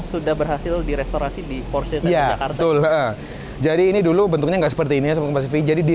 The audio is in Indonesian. sudah berhasil direstorasi di porsche ya jadi ini dulu bentuknya nggak seperti ini jadi di